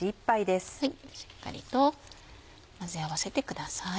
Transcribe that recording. しっかりと混ぜ合わせてください。